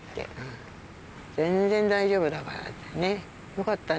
「よかったね」